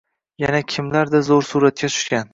Yana kimlardir zoʻr suratga tushgan.